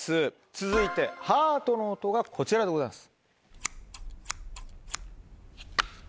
続いてハートの音がこちらでございます。